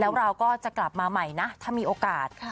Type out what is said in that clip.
แล้วเราก็จะกลับมาใหม่นะถ้ามีโอกาส